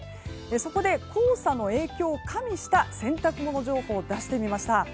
そこで、黄砂の影響を加味した洗濯物情報を出してみました。